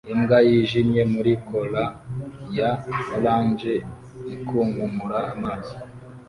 Imbwa yijimye muri cola ya orange ikunkumura amazi